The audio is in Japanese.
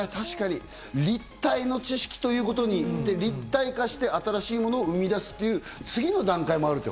立体の知識ということ、立体化して新しいものを生み出すという次の段階もあると。